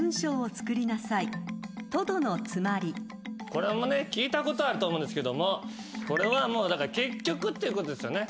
これもね聞いたことあると思うんですけどもこれは「結局」っていうことですよね。